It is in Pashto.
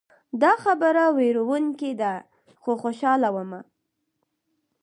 دا خبره ویروونکې ده خو خوشحاله ومه.